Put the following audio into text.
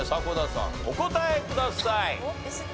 お答えください。